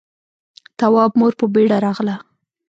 تواب مور په بيړه راغله.